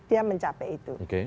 dia mencapai itu